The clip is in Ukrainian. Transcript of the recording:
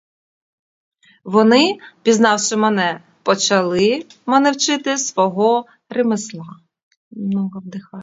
Вони, пізнавши мене, почали мене вчити свого ремесла.